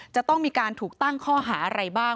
จะต้องมีการถูกตั้งข้อหาอะไรบ้าง